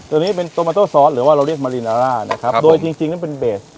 ตัวนี้เป็นโตมาโต้ซอสหรือว่าเราเรียกมารินาร่านะครับโดยจริงนั้นเป็นเบส